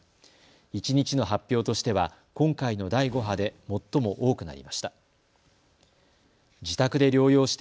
一日の発表としては今回の第５波で最も多くなりました。